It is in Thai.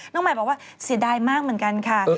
น้องใหม่บอกว่าเสียดายมากเหมือนกันค่ะ